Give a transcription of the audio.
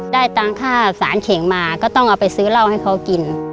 ตังค่าสารเข่งมาก็ต้องเอาไปซื้อเหล้าให้เขากิน